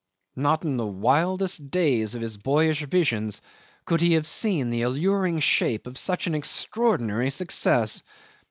Not in the wildest days of his boyish visions could he have seen the alluring shape of such an extraordinary success!